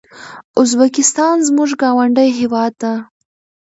ازبکستان زموږ ګاونډی هيواد ده